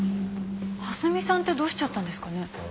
蓮見さんってどうしちゃったんですかね？